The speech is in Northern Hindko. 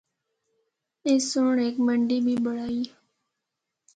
اس سنڑ ہک منڈی بھی بنڑائی۔